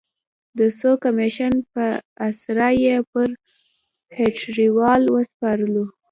د څو کمېشن په اسره یې پر هټیوال وسپارلو.